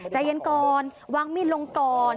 ใจเย็นก่อนวางมีดลงก่อน